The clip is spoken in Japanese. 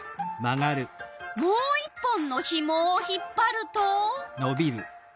もう一本のひもを引っぱると。